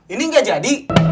ini nggak jadi